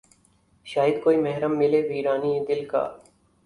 شاید کوئی محرم ملے ویرانئ دل کا